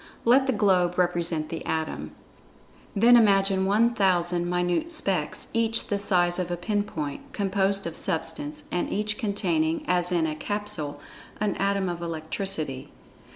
Let the globe represent the Atom. Then imagine 1,000 minute "specks," each the size of a pin point, composed of Substance, and each containing, as in a capsule, an atom of electricity.